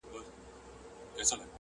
چی مات سوي یو زړه ماتي او کمزوري!.